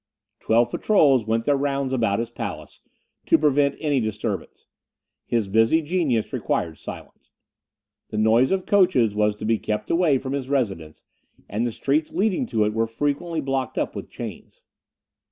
Twelve patrols went their rounds about his palace, to prevent any disturbance. His busy genius required silence. The noise of coaches was to be kept away from his residence, and the streets leading to it were frequently blocked up with chains.